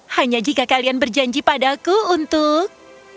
hanya jika kalian berjanji padaku untuk